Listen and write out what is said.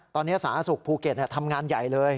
ตอนนี้สาธารณสุขภูเก็ตทำงานใหญ่เลย